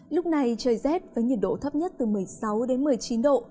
lúc này trời rét với nhiệt độ thấp nhất từ một mươi sáu đến một mươi chín độ